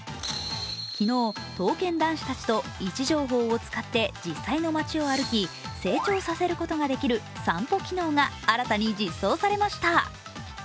昨日、刀剣男士たちと位置情報を使って成長させることができる散歩機能が新たに実装されました。